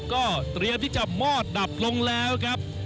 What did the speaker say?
ก็เตรียมที่จะมอดดับลงแล้วครับ